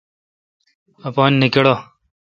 اپان نہ کڑہ۔